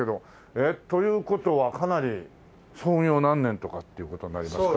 えっという事はかなり創業何年とかっていう事になりますか？